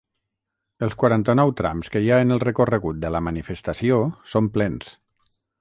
Els quaranta-nou trams que hi ha en el recorregut de la manifestació són plens.